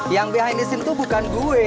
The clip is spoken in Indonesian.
yang di belakang sini bukan gue